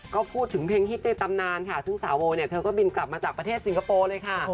ก็พูดถึงเพลงฮิตในตำนานค่ะซึ่งสาวโวเนี่ยเธอก็บินกลับมาจากประเทศสิงคโปร์เลยค่ะ